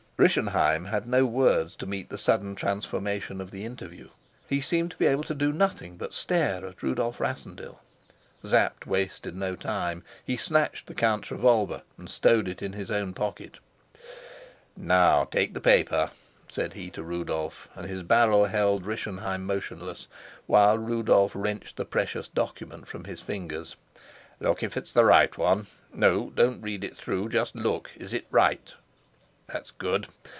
Rischenheim had no words to meet the sudden transformation of the interview. He seemed to be able to do nothing but stare at Rudolf Rassendyll. Sapt wasted no time. He snatched the count's revolver and stowed it in his own pocket. "Now take the paper," said he to Rudolf, and his barrel held Rischenheim motionless while Rudolf wrenched the precious document from his fingers. "Look if it's the right one. No, don't read it through; just look. Is it right? That's good.